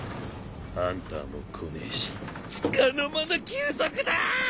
ハンターも来ねえしつかの間の休息だ！